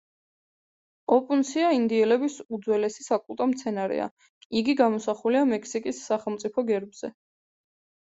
ოპუნცია ინდიელების უძველესი საკულტო მცენარეა; იგი გამოსახულია მექსიკის სახელმწიფო გერბზე.